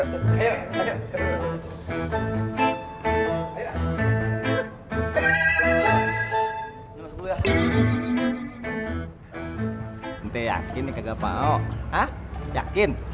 nanti yakin nih kakak pak o ha yakin